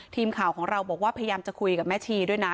ทีมข่าวของเราบอกว่าพยายามจะคุยกับแม่ชีด้วยนะ